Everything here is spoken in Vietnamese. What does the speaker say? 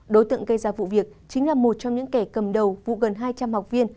đối tượng gây ra vụ việc chính là một trong những kẻ cầm đầu vụ gần hai trăm linh học viên